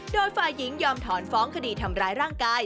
โดยฝ่ายหญิงยอมถอนฟ้องคดีทำร้ายร่างกาย